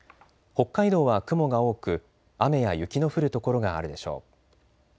北海道は雲が多く雨や雪の降る所があるでしょう。